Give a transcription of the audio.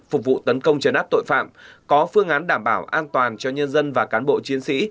phục vụ tấn công chấn áp tội phạm có phương án đảm bảo an toàn cho nhân dân và cán bộ chiến sĩ